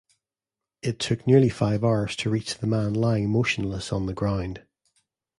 It took nearly five hours to reach the man lying motionless on the ground.